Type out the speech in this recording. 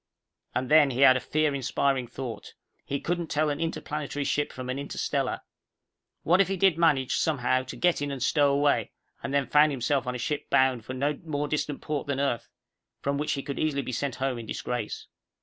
And then he had a fear inspiring thought. He couldn't tell an interplanetary ship from an interstellar. What if he did manage, somehow, to get in and stow away and then found himself on a ship bound for no more distant port than Earth, from which he could easily be sent home in disgrace?